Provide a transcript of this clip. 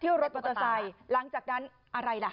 รถมอเตอร์ไซค์หลังจากนั้นอะไรล่ะ